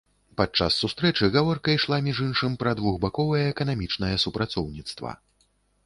Падчас сустрэчы гаворка ішла, між іншым, пра двухбаковае эканамічнае супрацоўніцтва.